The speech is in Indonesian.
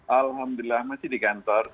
alhamdulillah masih di kantor